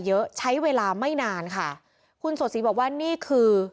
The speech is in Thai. เยอะใช้เวลาไม่นานค่ะคุณโสดศรีบอกว่านี่คือ